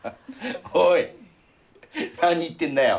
おい何言ってんだよ？